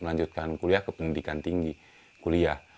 melanjutkan kuliah ke pendidikan tinggi kuliah